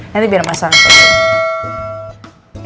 nanti biar masa aku